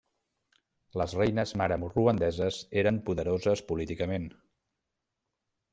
Les reines mare ruandeses eren poderoses políticament.